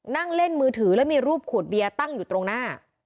นั่งเล่นมือถือแล้วมีรูปขวดเบียร์ตั้งอยู่ตรงหน้า